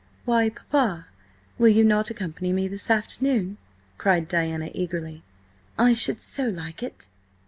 "Why, Papa, will you not accompany me this afternoon?" cried Diana eagerly. "I should so like it!"